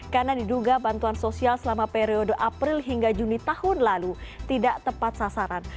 karena diduga bantuan sosial selama periode april hingga juni tahun lalu tidak tepat sasaran